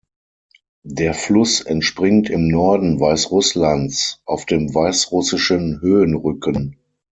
Der Fluss entspringt im Norden Weißrusslands auf dem Weißrussischen Höhenrücken.